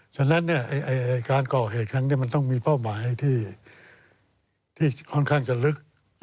ฉะนั้นการก่อเหตุครั้งนี้มันต้องมีเป้าหมายที่ค่อนข้างจะลึก